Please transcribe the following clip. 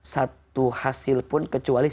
satu hasil pun kecuali